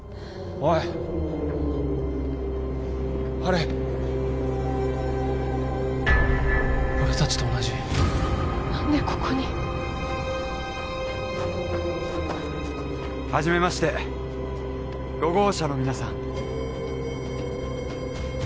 おいあれ俺達と同じ何でここに？はじめまして５号車の皆さん